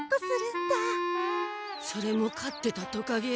それも飼ってたトカゲ？